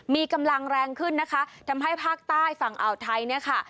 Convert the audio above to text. มีกำลังแรงขึ้นนะคะทำให้ภาคใต้ฝั่งอ่าวไทยเนี่ยค่ะ